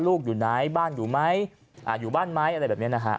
อยู่ไหนบ้านอยู่ไหมอยู่บ้านไหมอะไรแบบนี้นะฮะ